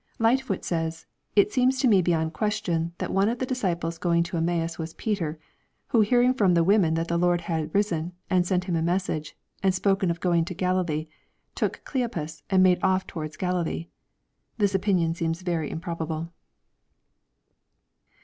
Ligbtfoot says, " It seems to me beyond question, that one of the disciples going to Emmaus was Peter, who hearing from the women that the Lord had risen, and sent him a message, and spoken of going to Galilee, took Oleopas and made off towards Galilee." — This opinion seems very improbable.